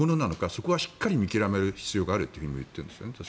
そこはしっかり見極める必要があると言っているんですね。